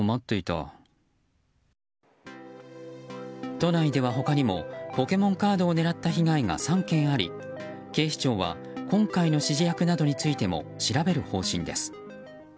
都内では他にもポケモンカードを狙った被害が３件あり警視庁は今回の指示役などについても調べる方針です。